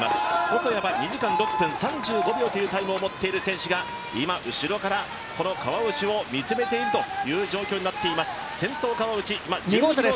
細谷は２時間６分３５秒というタイムを持っている選手がこの川内を見つめているという状況になっています。